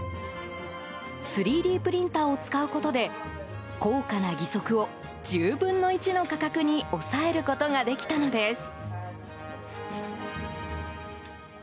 ３Ｄプリンターを使うことで高価な義足を１０分の１の価格に抑えることができたのです。